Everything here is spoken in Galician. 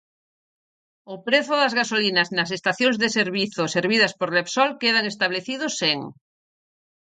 O prezo das gasolinas nas estacións de servicio servidas por Repsol quedan establecidos en: